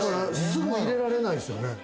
すぐ入れられないですよね。